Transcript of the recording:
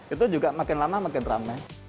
itu juga makin lama makin rame